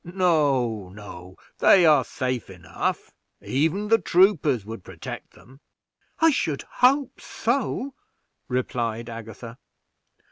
No, no, they are safe enough; even the troopers would protect them." "I should hope so," replied Agatha.